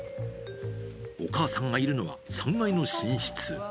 お母さんがいるのは３階の寝室。